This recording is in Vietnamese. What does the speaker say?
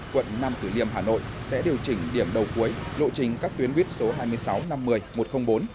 quận nam tử liêm hà nội sẽ điều chỉnh điểm đầu cuối lộ trình các tuyến buýt số hai mươi sáu năm mươi một trăm linh bốn